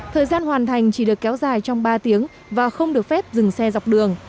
thời gian hoàn thành chỉ được kéo dài trong ba tiếng và không được phép dừng xe dọc đường